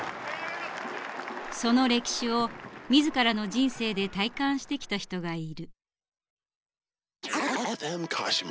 その歴史を自らの人生で体感してきた人がいる。